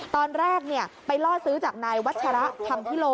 ตอนแรกเนี่ยไปล่อซื้อจากนายวัชระทำพิโล